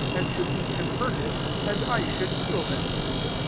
At should be converted, and . J[ should heal them.'